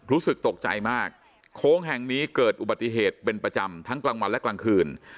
รู้สึกตกใจมากโค้งแห่งนี้เกิดอุบัติเหตุเป็นประจำทั้งกลางวันและกลางคืน